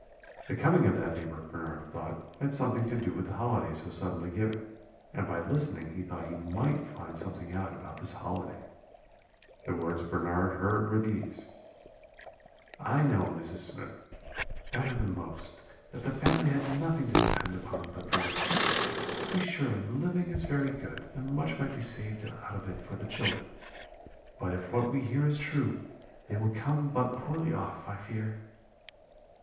The coming of that neighbour, Bernard thought, had something to do with the holiday so suddenly given, and by listening he thought he might find something out about this holiday. "The words Bernard heard were these: "'I know, Mrs. Smith, better than most, that the family had nothing to depend upon but the living. To be sure, the living is very good, and much might be saved out of it for the children, but if what we hear is true they will come but poorly off, I fear.'